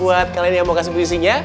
oke siap boleh